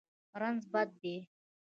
رنځ بد دی.